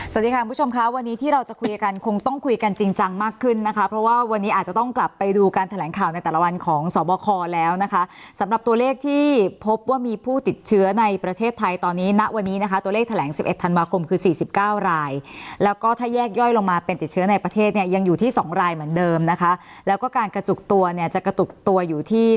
สวัสดีค่ะผู้ชมคะวันนี้ที่เราจะคุยกันคงต้องคุยกันจริงจังมากขึ้นนะคะเพราะว่าวันนี้อาจจะต้องกลับไปดูการแถลงข่าวในแต่ละวันของสวบคอแล้วนะคะสำหรับตัวเลขที่พบว่ามีผู้ติดเชื้อในประเทศไทยตอนนี้นะวันนี้นะคะตัวเลขแถลง๑๑ธันวาคมคือ๔๙รายแล้วก็ถ้าแยกย่อยลงมาเป็นติดเชื้อในประเทศเนี่ย